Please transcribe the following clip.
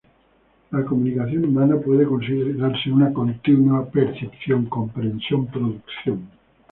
La comunicación humana puede considerarse una continua percepción-comprensión-producción.